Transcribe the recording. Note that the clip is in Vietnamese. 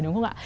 đúng không ạ